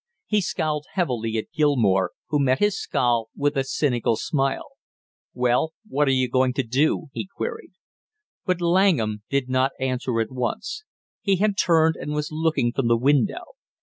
He scowled heavily at Gilmore, who met his scowl with a cynical smile. "Well, what are you going to do?" he queried. But Langham did not answer at once. He had turned and was looking from the window.